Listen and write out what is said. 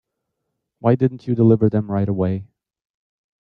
Why didn't you deliver them right away?